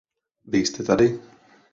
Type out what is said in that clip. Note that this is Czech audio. Vy jste tady.